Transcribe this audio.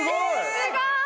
すごい！